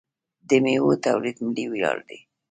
د میوو تولید ملي ویاړ دی.